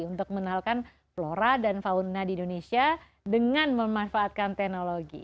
untuk menalkan flora dan fauna di indonesia dengan memanfaatkan teknologi